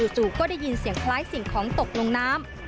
จู่ก็ได้ยินเสียงคล้ายสิ่งของตกลงน้ำ